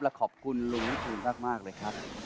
และขอบคุณลุงวิทูลมากเลยครับ